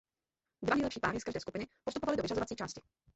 Dva nejlepší páry z každé skupiny postupovaly do vyřazovací části.